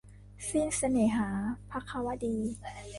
สิ้นเสน่หา - ภควดี